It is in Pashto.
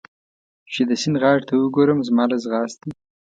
چې د سیند غاړې ته وګورم، زما له ځغاستې.